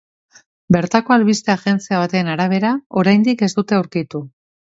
Bertako albiste agentzia baten arabera, oraindik ez dute aurkitu.